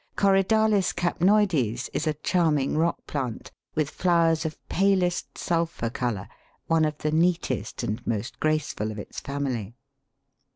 Corydalis capnoides is a charming rock plant, with flowers of palest sulphur colour, one of the neatest and most graceful of its family.